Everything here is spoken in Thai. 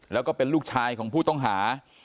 แล้วก็เป็นลูกชายของผู้ต้องหา